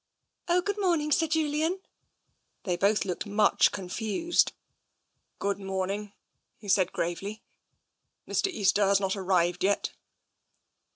" Oh, good morning, Sir Julian." They both looked much confused. " Good morning," he said gravely. " Mr. Easter has not arrived yet?